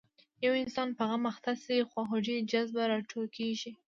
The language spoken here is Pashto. یو انسان په غم اخته شي خواخوږۍ جذبه راوټوکېږي.